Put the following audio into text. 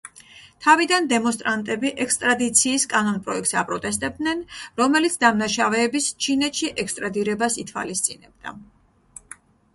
თავიდან დემონსტრანტები ექსტრადიციის კანონპროექტს აპროტესტებდნენ, რომელიც დამნაშავეების ჩინეთში ექსტრადირებას ითვალისწინებდა.